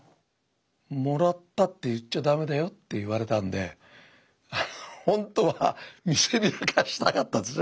「もらったって言っちゃダメだよ」って言われたんでほんとは見せびらかしたかったですね。